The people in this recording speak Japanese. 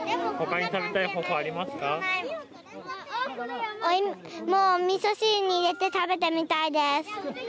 お芋をみそ汁に入れて食べてみたいです。